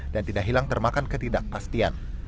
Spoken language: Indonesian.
dan tidak hilang termakan ketidakpastian